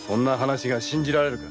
信じられるか。